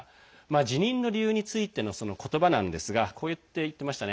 辞任の理由についての言葉なんですがこうやって言っていましたね。